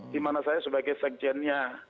dimana saya sebagai sekjennya